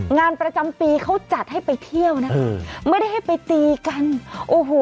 งานประจำปีเขาจัดให้ไปเที่ยวนะอืมไม่ได้ให้ไปตีกันโอ้โห